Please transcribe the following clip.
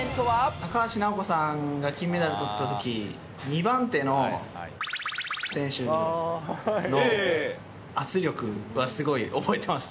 高橋尚子さんが金メダルとったとき、２番手の×××選手の圧力はすごい覚えてます。